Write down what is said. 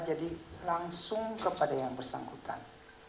jadi langsung kepada yang bersangkutan